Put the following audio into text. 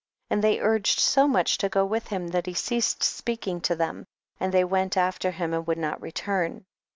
35. And they urged so much to go with him, that he ceased speak ing to them ; and they went after him and would not return ; 36.